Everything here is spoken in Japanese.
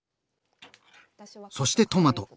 そしてトマト。